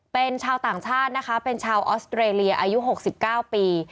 เป็นชาวต่างชาตินะคะเป็นชาวออสเตรเลียอายุ๖๙ปี